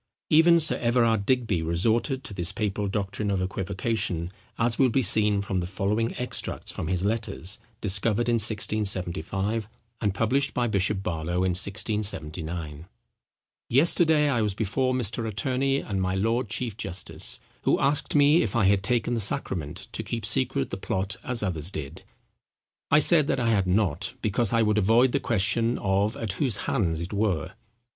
Even Sir Everard Digby resorted to this papal doctrine of equivocation, as will be seen from the following extracts from his letters discovered in 1675, and published by Bishop Barlow, in 1679:—"Yesterday I was before Mr. Attorney and my Lord Chief Justice, who asked me if I had taken the sacrament to keep secret the plot as others did. I said that I had not, because I would avoid the question of at whose hands it were."